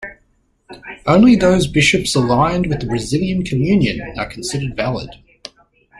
Only those bishops aligned with the Brazilian communion are considered valid.